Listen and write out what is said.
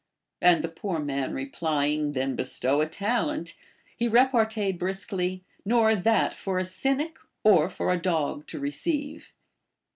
And the poor man replying. Then bestow a talent, he reparteed briskly, Nor that for a Cynic (or, for a dog) to receiA^e.